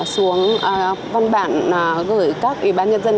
xuống văn bản gửi các ủy ban nhân dân